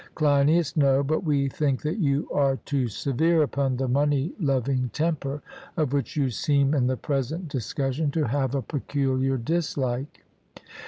CLEINIAS: No; but we think that you are too severe upon the money loving temper, of which you seem in the present discussion to have a peculiar dislike.